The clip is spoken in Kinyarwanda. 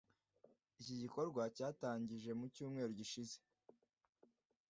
Iki gikorwa cyatangije mu cyumweru gishize